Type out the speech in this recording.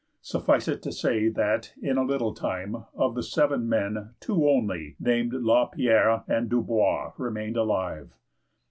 Suffice it to say that, in a little time, of the seven men, two only, named La Pierre and Dubois, remained alive.